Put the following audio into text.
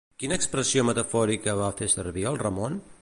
Quina expressió metafòrica va fer servir el Ramon?